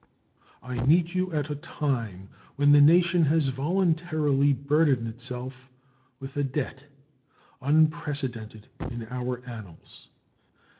I meet you at a time when the nation has voluntarily burdened itself with a debt unprecedented in our annals.